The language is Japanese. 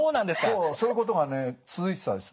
そうそういうことが続いてたんです。